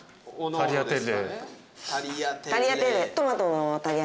「タリアテッ」